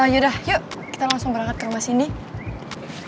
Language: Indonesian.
yaudah yuk kita langsung berangkat ke rumah sini